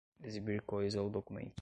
exibir coisa ou documento